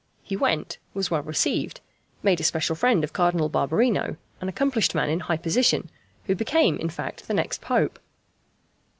He went, was well received, made a special friend of Cardinal Barberino an accomplished man in high position, who became in fact the next Pope.